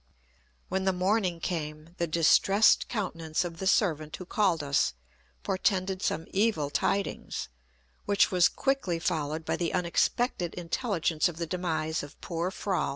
When the morning came, the distressed countenance of the servant who called us, portended some evil tidings, which was quickly followed by the unexpected intelligence of the demise of poor Froll.